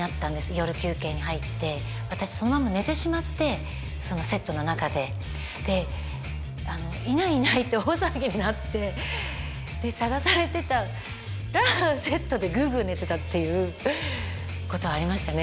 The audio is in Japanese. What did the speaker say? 夜休憩に入って私そのまま寝てしまってそのセットの中ででいないいないって大騒ぎになって捜されてたらセットでぐうぐう寝てたっていうことはありましたね